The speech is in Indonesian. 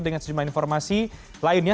dengan sejumlah informasi lainnya